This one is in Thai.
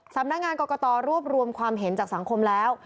สำนักงานกรกตรวบรวมความเห็นจากสังคมแล้ว